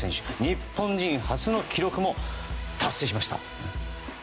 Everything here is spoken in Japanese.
日本人初の記録も達成しました。